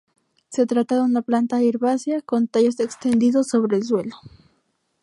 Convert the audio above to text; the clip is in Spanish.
Se trata de una planta herbácea, con tallos extendidos sobre el suelo.